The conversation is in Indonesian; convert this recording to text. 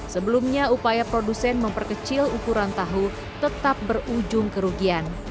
sebelumnya upaya produsen memperkecil ukuran tahu tetap berujung kerugian